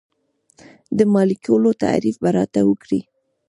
د مالیکول تعریف به راته وکړئ.